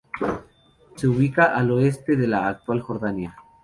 Se ubicaban al oeste de la actual Jordania.